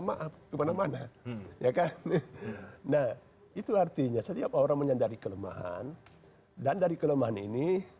maaf kemana mana ya kan nah itu artinya setiap orang menyadari kelemahan dan dari kelemahan ini